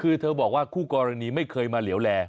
คือเธอบอกว่าคู่กรณีไม่เคยมาเหลวแล